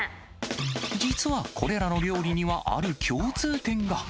実はこれらの料理には、ある共通点が。